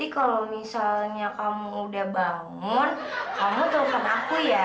kalau misalnya kamu udah bangun kamu taukan aku ya